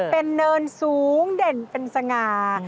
เป็นเนินสูงเด่นเป็นสง่า